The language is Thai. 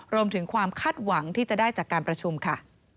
รวมถึงความคาดหวังที่จะได้จากการประชุมค่ะ